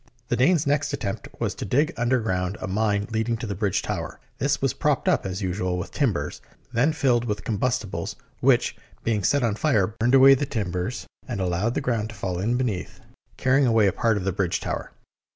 The Danes' next attempt was to dig under ground a mine leading to the bridge tower. This was propped up, as usual, with timbers, then filled with combustibles, which, being set on fire, burned away the timbers and allowed the ground to fall in be neath, carrying away a part of the bridge tower.